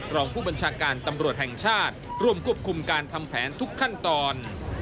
รองผู้บัญชาการตำรวจแห่งชาติร่วมควบคุมการทำแผนทุกขั้นตอน